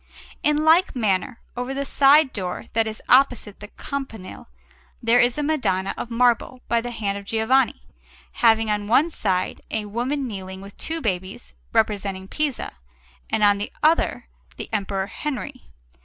In like manner, over the side door that is opposite the campanile, there is a Madonna of marble by the hand of Giovanni, having on one side a woman kneeling with two babies, representing Pisa, and on the other the Emperor Henry.